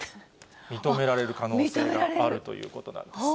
認められる可能性があるということなんです。